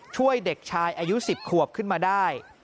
ช่วยเด็กชายอายุ๑๐ขวบขึ้นมาได้